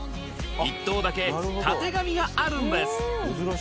１頭だけたてがみがあるんです